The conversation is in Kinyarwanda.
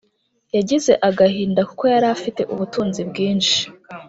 yagize agahinda kuko yari afite ubutunzi bwinshi